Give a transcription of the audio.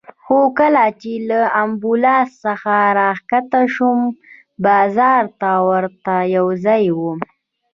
خو کله چې له امبولانس څخه راکښته شوم، بازار ته ورته یو ځای و.